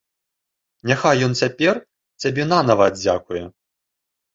Няхай ён цяпер цябе нанава аддзякуе.